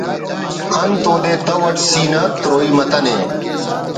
انت او دے تہو اٹ سینہ تروئی متنے